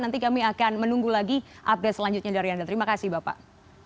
nanti kami akan menunggu lagi update selanjutnya dari anda terima kasih bapak